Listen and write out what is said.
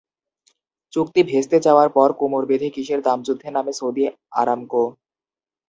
চুক্তি ভেস্তে যাওয়ার পর কোমর বেঁধে কিসের দামযুদ্ধে নামে সৌদি আরামকো?